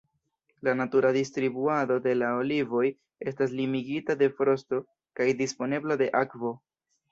La natura distribuado de la olivoj estas limigita de frosto kaj disponeblo de akvo.